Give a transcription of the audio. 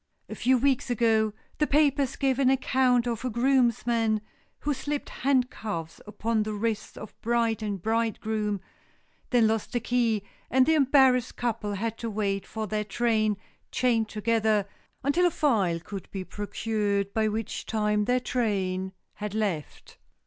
A few weeks ago the papers gave an account of a groomsman who slipped handcuffs upon the wrists of bride and bridegroom, then lost the key, and the embarrassed couple had to wait for their train, chained together, until a file could be procured, by which time their train had left.